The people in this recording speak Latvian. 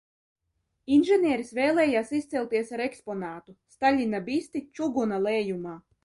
Inženieris vēlējās izcelties ar eksponātu, Staļina bisti, čuguna lējumā.